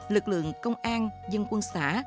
lực lượng công an dân quân xã